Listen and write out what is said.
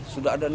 sudah ada niatan